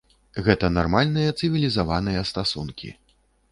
Гэта нармальныя, цывілізаваныя стасункі.